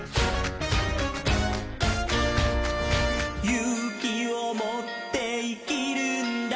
「ゆうきをもっていきるんだ」